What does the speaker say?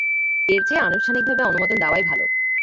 এর চেয়ে আনুষ্ঠানিকভাবে অনুমোদন দেওয়াই ভালো।